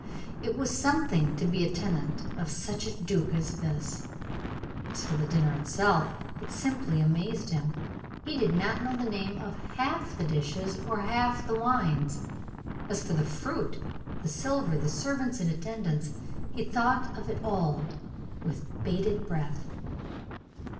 It was something to be a tenant of such a duke as this. As for the dinner itself, it simply amazed him; he did not know the name of half the dishes or half the wines; as for the fruit, the silver, the servants in attendance, he thought of it all with bated breath.